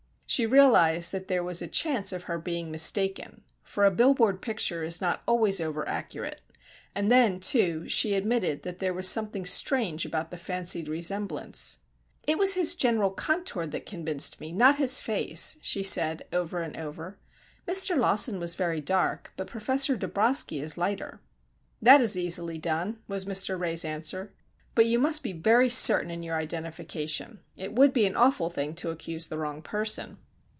She realized that there was a chance of her being mistaken, for a bill board picture is not always over accurate, and then, too, she admitted that there was something strange about the fancied resemblance. "It was his general contour that convinced me, not his face," she said, over and over. "Mr. Lawson was very dark, but Professor Dabroski is lighter." "That is easily done," was Mr. Ray's answer; "but you must be very certain in your identification. It would be an awful thing to accuse the wrong person."